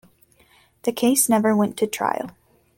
The case never went to trial.